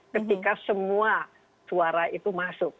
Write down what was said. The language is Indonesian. ketika semua suara itu masuk